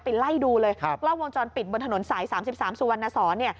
ไล่ดูเลยกล้องวงจรปิดบนถนนสาย๓๓สุวรรณสอน